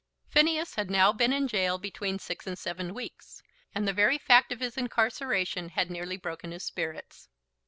Phineas had now been in gaol between six and seven weeks, and the very fact of his incarceration had nearly broken his spirits.